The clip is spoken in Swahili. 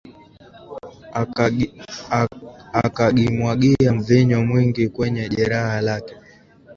Akagimwagia mvinyo mwingi kwenye jeraha lake